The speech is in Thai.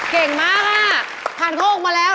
เก่งมากค่ะผ่านข้อ๖มาแล้ว